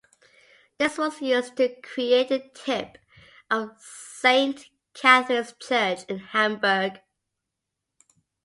This was used to create the tip of Saint Catherine's church in Hamburg.